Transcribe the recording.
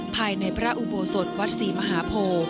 ภายในพระอุโบสถวัดศรีมหาโพ